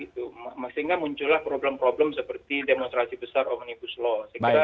sehingga muncullah problem problem seperti demonstrasi besar omnibus law